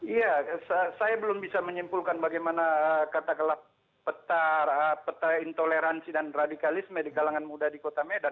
iya saya belum bisa menyimpulkan bagaimana kata kala peta intoleransi dan radikalisme di kalangan muda di kedua